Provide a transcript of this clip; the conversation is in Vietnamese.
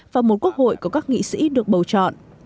và một quốc hội có các nghị sĩ được bầu chọn